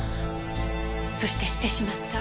そして知ってしまった。